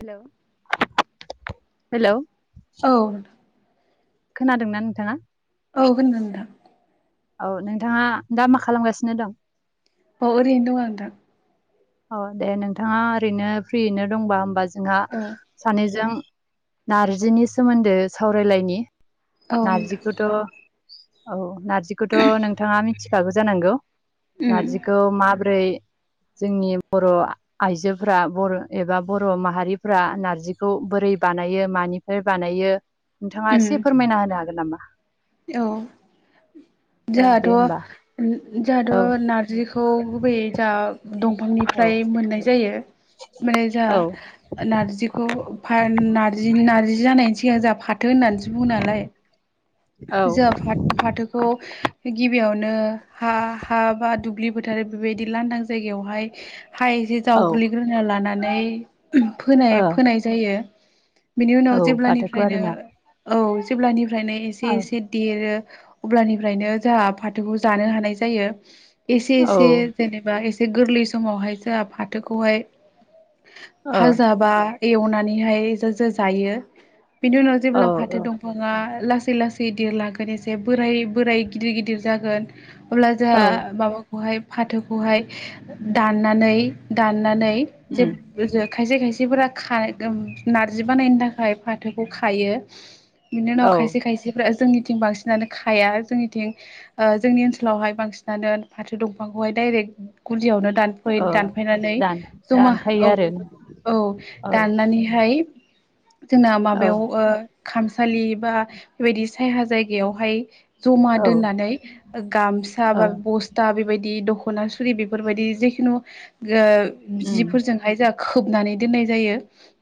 हेल! Hello! औ खोनादोंना नोंथाङा? औ खोनादों नोंथां औ नोंथाङा दा मा खालामगासिनो दं? अ ओरैनो दं आं नोंथां अ दे नोंथाङा ओरैनो फ्रियैनो दंबा होमबा जोंहा नोंथां औ सानैजों नारजिनि सोमोन्दो सावरायलायनि, औ नोंथां नारजिखौथ' औ नारजिखौथ' नोंथाङा मिथिखागौ जानांगौ उम नारजिखौ माबोरै जोंनि बर' आइजोफ्रा बर' एबा बर' माहारिफ्रा नारजिखौ बोरै बाना यो मानिफ्राय बानायो नोंथाङा उम एसे फोरमायना होनो हागोन नामा? औ औ जोंहाथ' दे होमबा उम औ जोंहाथ' नारजिखौ गुबैयै जोंहा औ दंफांनिफ्राय मोननाय जायो माने जा औ नारजिखौ नारजि नार्जि जानायनि सिगां जा फा थो होननानैसो बुङो नालाय औ जोंहा फाथोखौ गिबियावनो नो हा हा बा दुब्लि फोथार बेबायदि लांदां जायगायावहाय हा एसे औ जावग्लिग्रोना लानानै फोनाय ओ फोनाय जायो बेनि औ उनाव फाथोखौ जेब्लानिफ्रायनो आरोना औ जेब्लानिफ्रायनो औ एसे एसे देरो अब्लानिफ्रायनो जोहा फाथोखौ जानो हानाय जायो। एसे औ एसे ओ जेनेबा एसे गोरलै समावहाय जोंहा फाथोखौहाय भाजा बा एवनानैहाय जा जा जायो बिनि उनाव औ जेब्ला फाथो दंफाङा लासै लासै देरलांगोन एसे बोराय बोराय गिदिर-गिदिर जागोन अब्ला औ जोंहा माबाखौहाय फाथोखौहाय दाननानै दाननानै जे उम खायसे खायसे सेफोरा नारजि बानायनो थाखाय फाथोखौ खायो बिनि उनाव औ खायसे खायसे जोंनिथिं बांसिनानो खाया। जोंनिथिं ओ जोंनि ओनसोलावहाय बांसिनानो फाथो दंफांखौ [inaudible] दायरेक गुदियावनो दानफै ओ दानफैनानै दान जमा दानखायो औ आरो औ औ दाननानैहाय जोंना औ माबायाव ओ खामसालि बा बेबायदि सायहा जायगायावहाय जमा औ दोननानै गामसा ओ बा बस्था बेबायदि दख'ना सुरि बेफोरबायदि जेखुनु ओ उम जिफोरजोंहाय जोंहा खोबनानै दोननाय जायो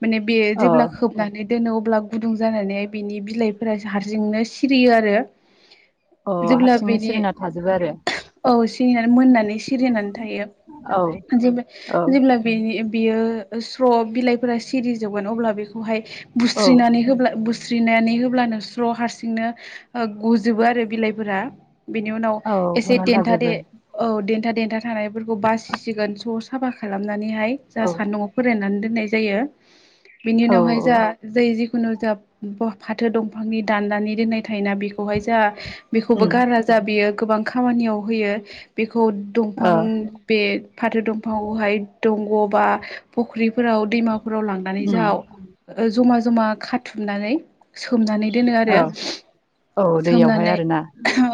माने बे अ जेब्ला खोबनानै दोनो अब्ला गुदुं जानानैह बिनि बिलाइफोरा हारसिंनो सिरियो आरो। अ जेब्ला हारसिंनो बेनि सिरिना थाजोबो आरो। औ सिरिनानै मोननानै सिरिनानै थायो। औ जेबो औ जबोब्ला बिनि बियो स्र' बिलाइफोरा सिरि जोबगोन अब्ला बेखौहाय औ बुस्रिनानै होब्ला बुस्रिनानै होब्लानो फ्र' हारसिंनो गुजोबो आरो बिलाइफोरा बेनि उनाव औ एसे गनानै देन्थादे थाजोबो औ दन्थाद देन्था थानायफोरखौ बासिसिगोन ज' साफा खालामनानैहाय जा औ सानदोंङ फोराननानै दोन नाय जायो बिनि औ उनावहाय औ जा जै जिखुनु जा फाथो दं बिफांनि दान्दानि दोननाय थायोना बेखौहाय जा बेखौबो उम गारा जा बियो। गोबां खामानियाव होयो बे खौ दंफां ओ बे फाथो दंफांआवहाय दं बबा फखरी फोराव दैमा फोराव लांनानै उम जाहा ओ जमा जमा खाथुमनानै सोमनानै दोनो आरो। औ औ दैयावहाय सोमनानै आरोना।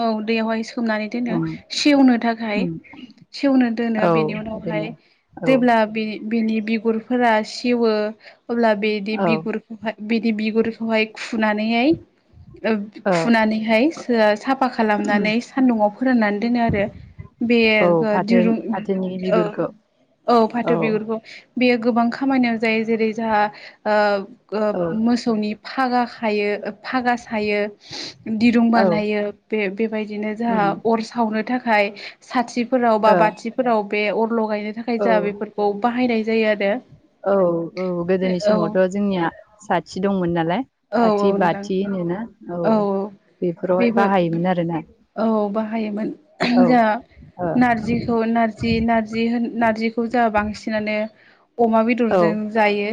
औ दैयावहाय सोमनानै दोनो उम सेवनो थाखाय। उम सेवनो दोनो औ बेनि उनावहाय ओरैनो औ जेब्ला बे बिनि बिगुरफोरा सेवो अब्ला बिनि औ बिगुरखौहाय बिनि बिगुरखौहाय। खुनानैहाय ओ खुनानैहाय साफा खालामनानै सान्दुंआव फोराननानै दोनो आरो। बे ओ दिरुं ओ दिरुंखो औ फाथ' बिगुरखौ। बेयो गोबां खामानियाव जायो जेरै जाहा ओ औ मोसौनि फागा खायो फागा सायो। दिरुं औ बानायो बे बेबायदिनो जाहा उम अर सावनो थाखाय साथि फोराव बा ओ बाथिफोराव बे अरल' गायनो थाखाय औ जोंहा बेफोरखौ बाहायनाय जायो आरो औ औ गोदोनि औ समावथ' जोंनिया साथि दंमोन नालाय। औ साथि औ नोंथां बाथि होनोना। औ औ बेफोरावहाय बेबो बाहायोमोन आरोना औ बाहायोमोन औ जों ओ नारजिखौ नारजि नारजि होन नारजिखौ जोंहा बांसिनानो अमा बेदरजों जायो।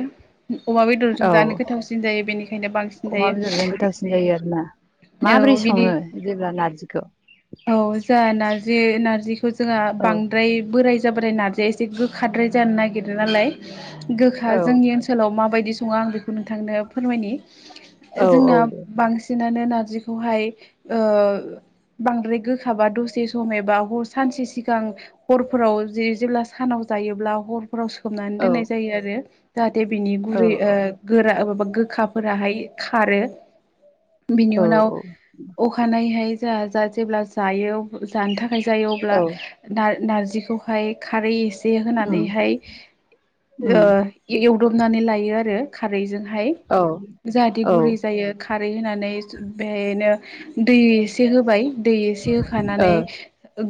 अमा बेदरजों औ जानो गोथावसिन जायो बेनिखायनो बांसिन जायो। ना माबोरै औ बिदि सङो जेब्ला नारजिखौ? औ जों नारजि नारजिखौ जोंहा औ बांद्राय बोराय राय नारजिया एसे गोखा जानो नागिरो नालाय गोखा औ जोंनि ओनोलाव म बायदि सङो आं बेखौ नोंथांनो फोरमायनि औ औ जोंना दे बांसिन नो नारजिखौहाय ओ बांद्राय गोखाबा दसे सम एबा सानसे सिगां हरफोराव जे जेब्ला सानाव जा जायोब्ला हरफोराव सोमनानै औ दोननाय जायो आरो जाहाथे बिनि औ गुरै ओ गोरा माबा गोखाफोराहाय खारो बिनि औ उनाव औ अखानायहाय जोंहा जा जेब्ला जायो जानो थाखाय जायो अब्ला औ नार नारजिखौहाय खारै एसे उम होनानैहाय ओ उम ऐव एवदबनानै लायो आरो खारै जोंहाय औ जाहाथे ओ गुगुरै जायो। खारै होनानै बेहायनो दै एसे होबाय। दै एसे औ होखानानै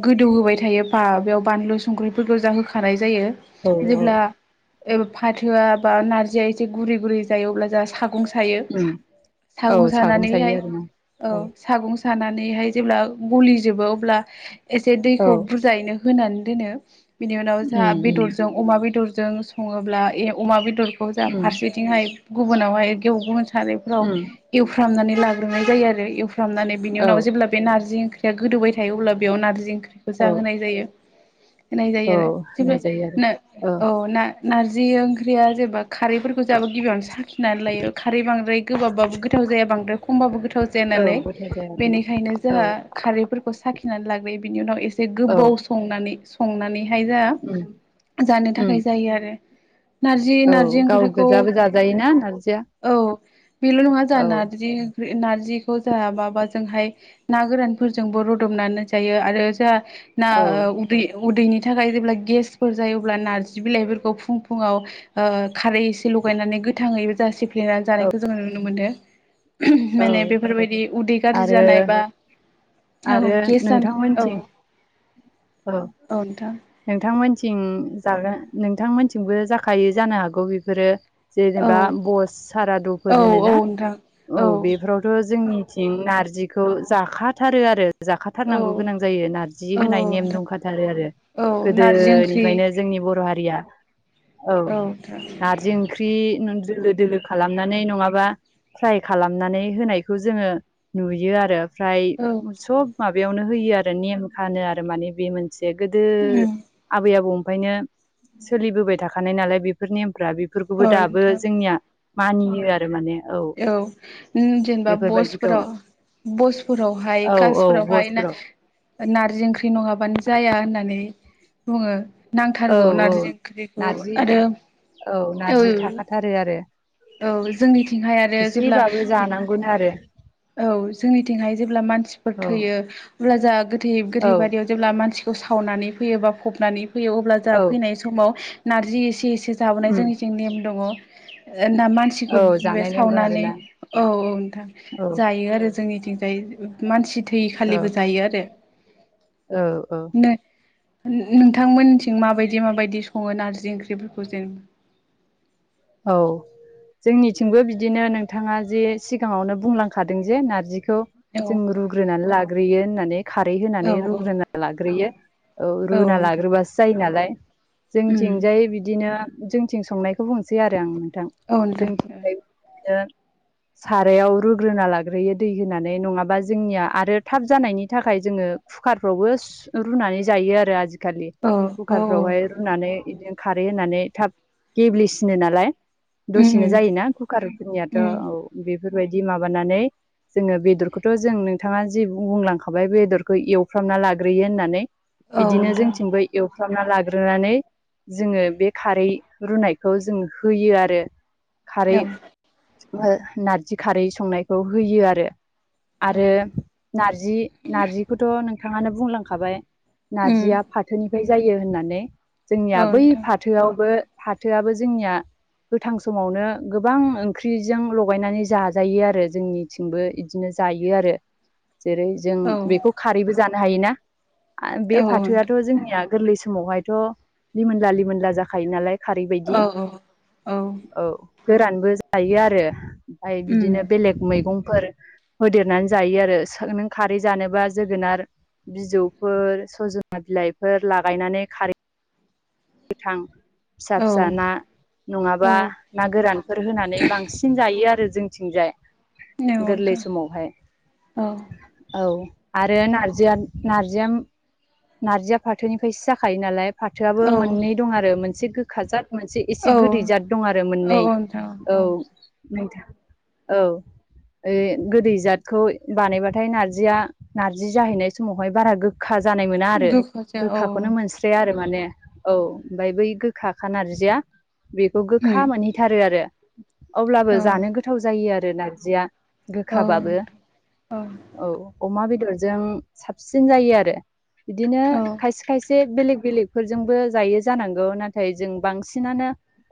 गोदौहोबाय थायो बा बेयाव बानलु संख्रिफोरखौ बुरजा होखानाय। जायो औ जेब्ला। ओ फाथोआ बा नारजिया एसे गुरै गुरै जायो अब्ला जोंहा सा गं सायो उम औ सागं सायो सानानैहाय आरोना औ सागं सानानैहाय जेब्ला गलिजोबो अब्ला एसे औ दैखौ बुरजायैनो होनान दोनो बिनि उनाव जोंहा उम उम बेदरजों अमा बेदरजों सङोब्ला ए अमा बेदर खौ जा उम फारसेथिंहाय गुबुनावहाय गुबुन सारायफ्राव उम एवफ्रनानै लाग्रोनाय जायो आरो एवफ्रामनानै बिनि औ उनाव जेब्ला बे नारजि ओंख्रिया गोदौबाय थायो अब्ला बेयाव नारजि ओंख्रि औ जाहोनाय जायो। होनाय औ जायो आरो होनाय जेब्ला जायो आरो ना औ ना-नारजि ओंख्रिया जेब्ला खारैफोरखौ जों गिबियावनो साखिनानै लायो खारै बांद्राय गोबाब बाबो गोथाव जाया बांद्राय खमबाबो गोथाव जाया औ नालाय गोथाव जाया आरोना बेनिखायनो औ जोंहा खारैफोरखौ साखिनानै लाग्रोयो बिनि उनाव एसे औ गोबाव संनानै संनानै हाय जा उम जानो उम थाखाय जायो आरो। नारजि औ नार्जि गाव ओंख्रिखौ गोजाबो जाजायोना नारजिया औ बेल' नङा जाहा औ नारजि नारजिखौ जाहा माबा जोंहाय ना गोरानफोरजोंबो रुदबनानै जायो आरो जाहा ना औ उदै उदैनि थाखाय जेब्ला गेसफोर जायो अब्ला नार्जि बिलाइफोरखौ फुं फुुंआव ओ खारै एसे लगायनानै गोथाङैबो जा सेफ्लेनानै औ जानायखौ जोङो नुनो मोनो। औ माने बेफोरबायदि उदै गाज्रि आरो जानाय बा औ आरो गेसानो औ नोंथांमोनथिं औ औ नोंथां। नोंथांमोनथिं जाग्रा नोंथांमोनथिंबो जाखायो जानो हागौ बेफोरो। औ जेनेबा बस सारादुफोर औ होनोना औ नोंथां औ बेफोरावथ' जोंनि थिं नारजिखौ जाखाथारो आरो। औ जाखाथारनांगौ गोनां जायो नारजि औ होनाय नेम नोंथां दंखाथारो आरो। औ नारजि ओंख्रि गोदोनिफ्रायनो जोंनि बर' हारिया। औ नारजि ओंख्रि नु दोलो दोलो खालामनानै नङाबा फ्राइ खालामनानै होनायखौ जोङो नुयो आरो। ओमफ्राय औ सब माबायावनो होयो आरो नेम खानो आरो माने बे मोनसे गोदो उम आबै आबौ निफायनो सोलिबोबाय थाखानाय नालाय बेफोरनि‌ नेम फ्रा बेफोरखौबो औ दाबो नोंथां जोंनिया मानियो आरो माने। औ न जेनेबा बेफोरबायदिखौ बसफोराव बसफोरावहाय औ औ कासफोरावहाय ना बसफ्राव नारजि ओंख्रि नङाबानो जाया होननानै बुङो। औ नांथारगौ औ नारजि ओंख्रिखौ नारजि आरो औ। नारजि थाखाथारो आरो औ जोंनिथिंहाय आरो जेब्ला एसेबाबो जानांगौनो आरो औ जोंनिथिंहाय जेब्ला मानसिफोर औ थैयो अब्ला जा गोथै औ गोथै बारियाव जेब्ला मानसिखौ‌ सा सावनानै फैयो बा फबनानै फैयो अब्ला जोंहा औ फैनाय समाव नारजि एसे एसे से जाबोनाय उम जोंनि जों नेम दङ। ना मानसिखौ औ बे जानाय नांगौ सावनानै आरोना औ औ नोंथां औ जायो आरो जोंनिथिं। मानसि थैय खालिबो औ जायो आरो औ औ नो नोंथांमोनथिं माबायदि माबायदि सङो नारजि ओंख्रिफोरखौ जे औ। जोंनिथिंबो बिदिनो नोंथाङा जे सिगाङावनो बुंलांखादों जे नारजि खौ औ जों रुग्रोनानै लाग्रोयो होननानै। खारै औ होनानै रुग्रोना लाग्रोयो औ औ रुुना नोंथां लाग्रोबासो जायो नालाय। उम जोंथिंजाय बिदिनो जोंथिं संनायखौ बुंसै आरो आं नों थां औ नोंथां जोंनिथिंजायबो बिदिनो सारायाव रुग्रोना लाग्रोयो दै होनानै नङाबा जोंनिया आरो थाब जानायनि थाखाय जोङो कुकारफ्रावबो रुनानै जायो आरो आजिखालि औ औ औ कुकारफ्रावहाय रुनानै बिदिनो खारै होननानै थाब गेब्लेसिनो नालाय। उम दसेनो जायोना कुकारफोरनियाथ' उम औ बेफोरबायदि माबानानै जोङो बेदरखौथ' जों नोंथाङा जि बुंलांखाबाय बेदरखौ एवफ्रामना लाग्रोयो होननानै औ बिदिनो जोंथिंबो एवफ्रामना लाग्रोनानै जोङो बे खारै रुनायखौ खौ जों होयो आरो नोंथां खारै नो नारजि खारै संनायखौ होयो आरो औ आरो नारजि नारजिखौथ' नोंथाङानो बुंलांखाबाय उम नारजिया फाथोनिफ्राय जायो होननानै औ जोंनिया बै नोंथां फाथोआवबो थोआबो जोंनिया गोथां समावनो गोबां ओंख्रिजों लगायनानै जाजायो आरो जोंनिथिंबो बिदिनो जायो आरो जेरै जों औ बेखौ खारैबो जानो हायोना बे औ फाथोआथ' जोंनिया गोरलै समावहायथ' लिमोनला लिमोनला जाखायो नालाय औ खारैबायदि औ गोरानबो जायो आरो ओमफाय उम बिदिनो बेलेग मैगं फोर होदेरनानै जायो आरो नों खारै जानोबा जोगोनार बिजौफोर सजना बिलाइफोर लागायनानै खारै गोथां फिसा औ फिसा ना नङाबा नंगौ ना गोरानफोर होनानै बांसिन जायो आरो जोंथिंजाय गोरलै नोंथां समावहाय औ औ आरो नारजिया नारजियाम नारजिया फाथोनिफ्रायसो जाखायो नालाय फाथोआबो औ मोननै दं आरो मोनसे गोखा जाथ मोनसे एसे औ गोदै जाद दं आरो मोननै औ नोंथां औ ओ गोदै जादखौ बानायबाथाय नारजिया नार्जि जाहैनाय समावहाय बारा गोखा जानाय मोना आरो दुखुजों औ गोखाखौनो मोनस्राया आरो माने औ ओमफाय बै गोख खा खा नारजिया बेखौ गोखा उम मोनहैथारो आरो अब्लाबो औ जानो गोथाव जायो आरो नारजिया औ गोखाबाबो औ अमा बेद बेदरजों साबसिन जायो आरो बिदिनो औ खायसे खायसे बेलेग बेलेगफोरजोंबो जायो जानांगौ नाथाय नाथाय जों बांसिनानो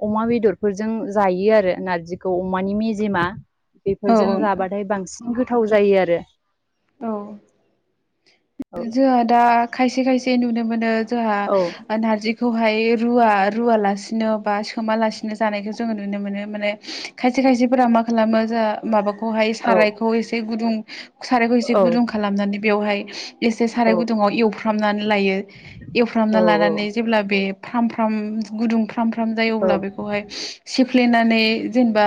अमा बेदरफोरजों जायो आरो नारजिखौ अमानि मेजेमा बेफोरजों नोंथां जाबाथाय बांसिन गोथाव जायो आरो औ औ जोंओ दा खायसे खायसे नुनो मोनो जा औ नारजि बेखौहाय रुवा रुवालासिनो बा सोमालासिनो जानायखौ जोङो नुनो मोनो माने खायसे खायसे खायसेफोरा मा खालामो जा माबाखौहाय औ सारायखौ एसे गुदुं सारायखौ एसे गुुंदुं खालामनानै बेवहाय एसे साराय औ गुदुं आव एवफ्रामनानै लायो एवफ्रामना औ लानानै जेब्ला बे फ्राम फ्राम गुदुं फ्राम फ्राम जायो औ अब्ला बेखौहाय सिफ्लेनानै जेनेबा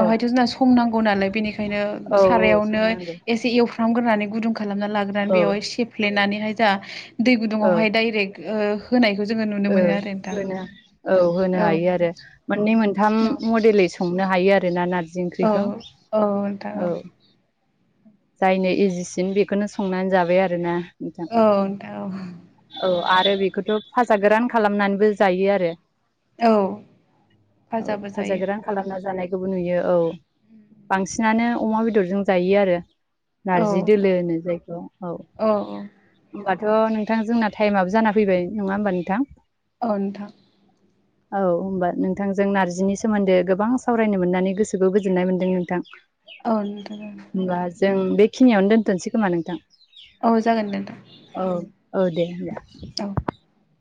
औ जोंना संनांगौ नालाय बेनिखायनो औ औ सारायावनो संनांगौ एसे एवफ्रामग्रोनानै गुदुं खालामना लाग्रोनानै औ बेवहाय सेफ्लेनानैहाय जा दै ओ गुदुंङावहाय डाइरेक्ट ओ होनाय ओ होनो औ होनो हायो आरो मोननै मोनथाम मडेलै सं संनो हायो आरो ना नारजि ओंख्रिखौ औ जायनो इजिसिन बेखौनो संनानै जाबाय आरोना मोजां औ नोंथां औ औ आरो बेखौथ' फार्स्ट सा गोरान खालामनानैबो जायो आरो औ औ फाजाबो फाजा जायो गोरान खालामना जानाय बो नुयो औ बांसिनानो अमा बेदरजों जायो आरो औ नारजि दोलो होनो जायखौ औ होनबा थ' नोंथां जोंना टाइमाबो जा फैबाय नङा होमबा नोंथां? औ नोंथां औ होनबा नोंथांजों नार्जिनि सोमोन्दै गोबां सावरायनो मोननानै गोसोखौ गोजोननाय मोन्दों नोंथां। औ नोंथां औ होमबा जों बेखिनियावनो दोनथ'नसै खोमा नोंथां। औ जागोन दे नोंथां [inaudible] औ औ दे औ होनबा